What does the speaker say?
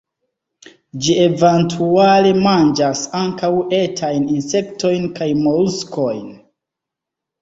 Ĝi eventuale manĝas ankaŭ etajn insektojn kaj moluskojn.